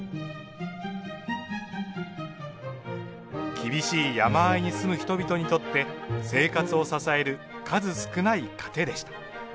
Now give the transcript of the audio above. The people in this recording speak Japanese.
厳しい山あいに住む人々にとって生活を支える数少ない糧でした。